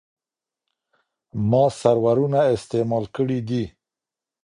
ما سرورونه استعمال کړي دي.